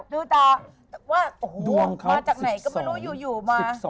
ดูต่อว่ามาจากไหนก็ไม่รู้อยู่มา